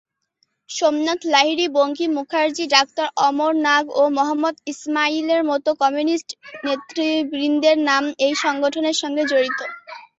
Somnath Lahiri, Bankim Mukherjee, doctor Amar Nag ও মহম্মদ ইসমাইলের মতো কমিউনিস্ট নেতৃবৃন্দের নাম এই সংগঠনের সঙ্গে জড়িত।